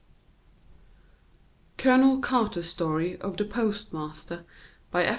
COLONEL CARTER'S STORY OF THE POSTMASTER BY F.